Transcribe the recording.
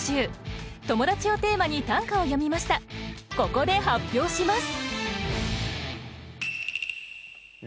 ここで発表します。